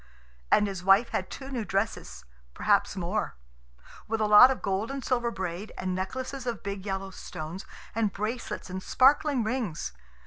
And his wife had two new dresses, perhaps more; with a lot of gold and silver braid, and necklaces of big yellow stones, and bracelets and sparkling rings.